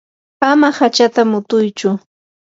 ama hachata mutuychu.